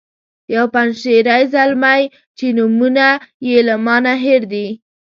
یو پنجشیری زلمی چې نومونه یې له ما نه هیر دي.